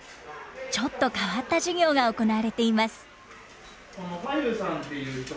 ちょっと変わった授業が行われています。